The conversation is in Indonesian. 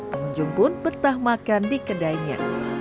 pengunjung pun betah makan di kedainya